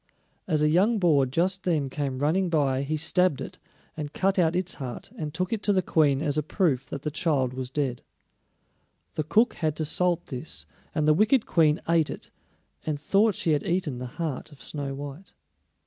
As a young boar just then came running by he stabbed it, and cut out its heart and took it to the Queen as a proof that the child was dead. The cook had to salt this, and the wicked Queen ate it, and thought she had eaten the heart of Snow white.